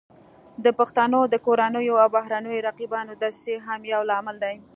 د پښتنو د کورنیو او بهرنیو رقیبانو دسیسې هم یو لامل دی